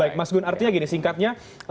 baik mas gun artinya gini singkatnya